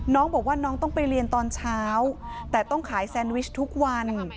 น้องบอกว่าน้องต้องไปเรียนตอนเช้าแต่ต้องขายแซนวิชทุกวัน